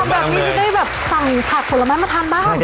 แบบนี้จะได้แบบสั่งผักผลไม้มาทานบ้าง